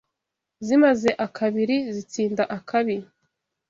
Zimaze akabiri zitsinda akabi